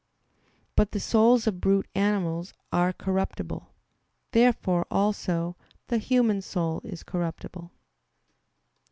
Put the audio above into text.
But the souls of brute animals are corruptible. Therefore, also, the human soul is corruptible.